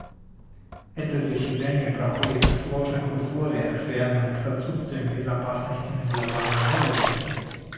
Это заседание проходит в сложных условиях, связанных с отсутствием безопасности на глобальном уровне.